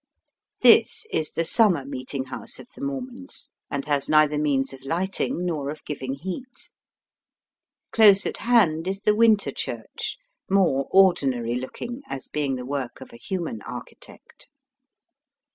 This is the summer meeting house of the Mormons, and has neither means of lighting nor of giving heat. Close at hand is the winter church, more ordinary looking, as being the work of a human architect.